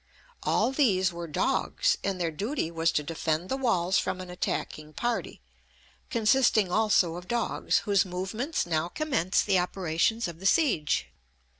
All these were dogs, and their duty was to defend the walls from an attacking party, consisting also of dogs, whose movements now commenced the operations of the siege.